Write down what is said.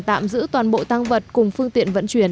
tạm giữ toàn bộ tăng vật cùng phương tiện vận chuyển